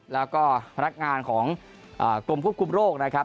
แล้วก็พนักงานของกรมควบคุมโรคนะครับ